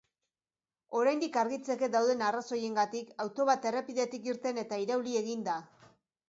Oraindik argitzeke dauden arrazoiengatik, auto bat errepidetik irten eta irauli egin da.